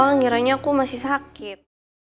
kiranya aku masih sakit